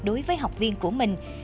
đối với học viên của mình